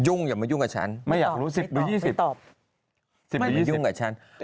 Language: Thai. ยุ่งอย่ามายุ่งกับฉันไม่ตอบไม่ยุ่งกับฉัน